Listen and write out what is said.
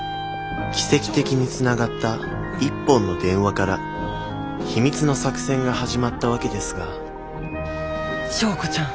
奇跡的につながった一本の電話から秘密の作戦が始まったわけですが昭子ちゃん。